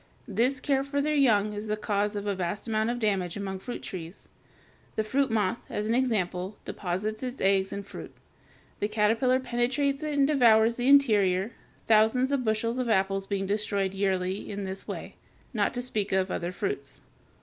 This care for their young is the cause of a vast amount of damage among fruit trees. The fruit moth, as an example, deposits its eggs in fruit; the caterpillar penetrates it and devours the interior, thousands of bushels of apples being destroyed yearly in this way, not to speak of other fruits.